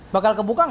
bakal kebuka gak